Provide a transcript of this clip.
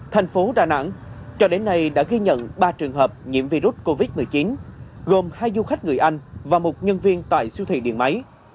thành phố đà nẵng cho đến nay đã ghi nhận ba trường hợp nhiễm virus covid một mươi chín gồm hai du khách người anh và một nhân viên tại siêu thị điện máy